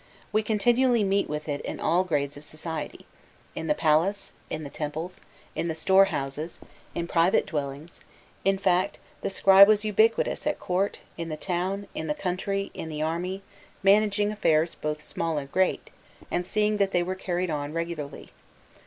We continually meet with it in all grades of society in the palace, in the temples, in the storehouses, in private dwellings; in fine, the scribe was ubiquitous, at court, in the town, in the country, in the army, managing affairs both small and great, and seeing that they were carried on regularly.